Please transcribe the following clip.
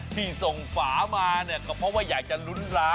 ที่ส่งฝามาเนี่ยก็เพราะว่าอยากจะลุ้นร้าน